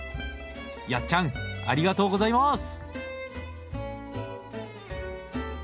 やっちゃんありがとうございます！